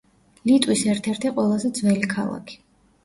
ლიტვის ერთ-ერთი ყველაზე ძველი ქალაქი.